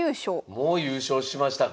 もう優勝しましたか。